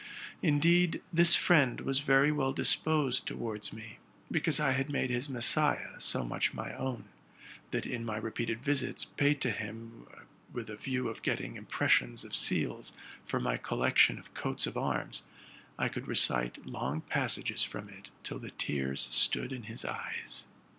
Indeed, this friend was very well disposed towards me, because I had made his '* Messiah' so much my own, that in my repeated visits, paid to him with a view of getting impressions of seals for my collection of coats of arms, I could recite long passages from it till the tears stood in his eyes.